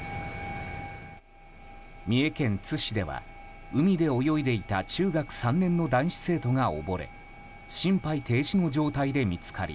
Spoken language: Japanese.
三重県津市では海で泳いでいた中学３年の男子生徒が溺れ心肺停止の状態で見つかり